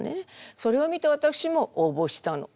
それを見てわたくしも応募したの。